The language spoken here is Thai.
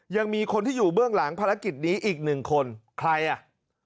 ยังมีคนที่อยู่เบื้องหลังภารกิจนี้อีกหนึ่งคนใครอ่ะ